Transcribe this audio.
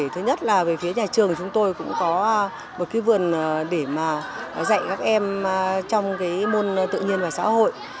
thứ nhất là về phía nhà trường chúng tôi cũng có một vườn để dạy các em trong môn tự nhiên và xã hội